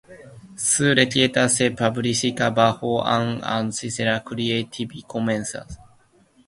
Su receta se publica bajo una licencia Creative Commons.